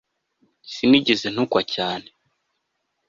Sinigeze ntukwa cyane